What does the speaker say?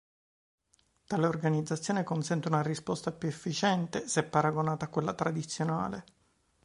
Tale organizzazione consente una risposta più efficiente se paragonata a quella tradizionale.